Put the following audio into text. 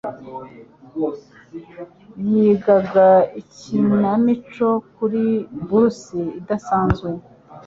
Yigaga ikinamico kuri bourse idasanzwe.